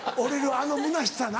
あのむなしさな。